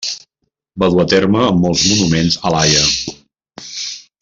Va dur a terme molts monuments a La Haia.